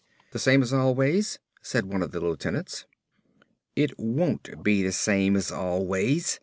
"The same as always," said one of the lieutenants. "It won't be the same as always!"